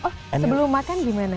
oh sebelum makan gimana